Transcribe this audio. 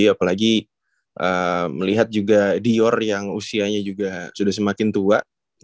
apalagi melihat juga dior yang usianya juga sudah semakin tua